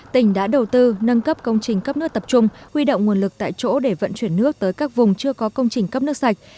tỉnh đã đầu tư nâng cấp công trình cấp nước tập trung huy động nguồn lực tại chỗ để vận chuyển nước tới các vùng chưa có công trình cấp nước sạch